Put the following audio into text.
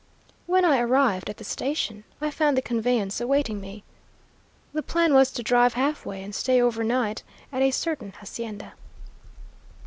When I arrived at the station I found the conveyance awaiting me. The plan was to drive halfway, and stay over night at a certain hacienda.